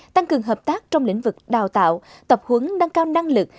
tăng cường hợp tác trong lĩnh vực đào tạo tập huấn nâng cao năng lực